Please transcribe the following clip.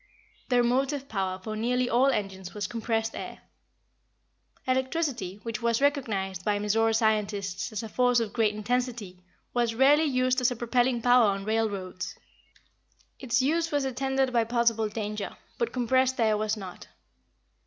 The motive power for nearly all engines was compressed air. Electricity, which was recognized by Mizora scientists as a force of great intensity, was rarely used as a propelling power on railroads. Its use was attended by possible danger, but compressed air was not.